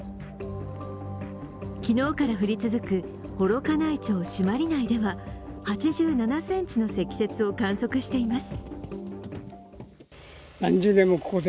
昨日から降り続く幌加内町朱鞠内では８７ｃｍの積雪を観測しています。